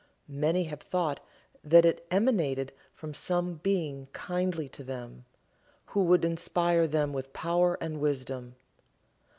Many have thought that it emanated from some being kindly to them, who would inspire them with power and wisdom.